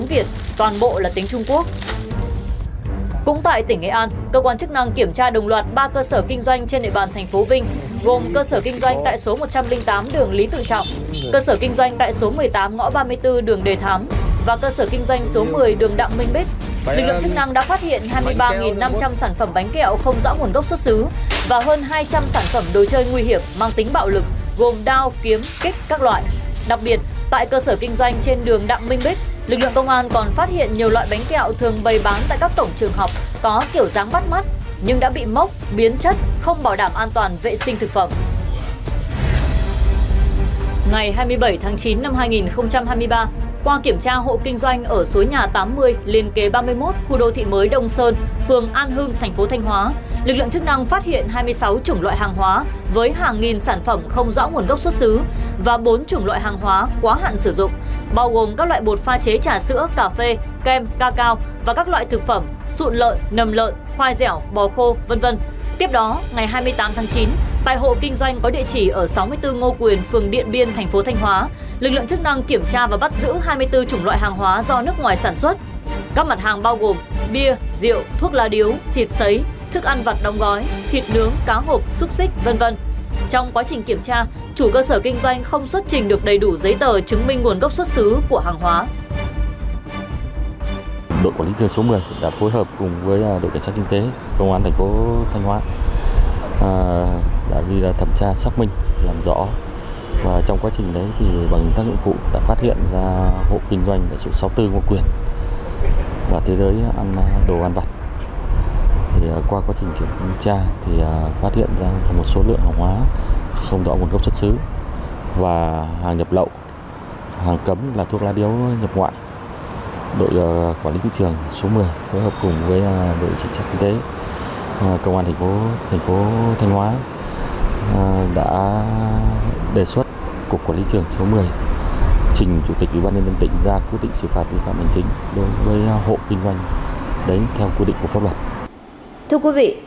nhiều vụ việc bắt giữ thực phẩm tại tuyến biên giới và nội địa có những mặt hàng không rõ nguồn gốc xuất xứ hàng hư hỏng vẫn len lỏi vào thị trường thậm chí là được buôn bán công khai trên các trang thương mại điện tử hay mạng xã hội